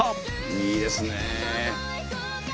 いいですね！